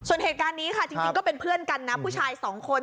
ส่วนเหตุการณ์นี้ค่ะจริงก็เป็นเพื่อนกันนะผู้ชายสองคน